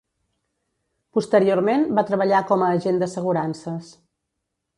Posteriorment va treballar com a agent d'assegurances.